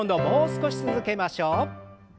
もう少し続けましょう。